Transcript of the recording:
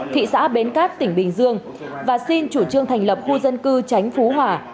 thị xã bến cát tỉnh bình dương và xin chủ trương thành lập khu dân cư tránh phú hòa